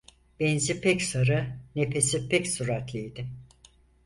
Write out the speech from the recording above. Benzi pek sarı, nefesi pek süratliydi.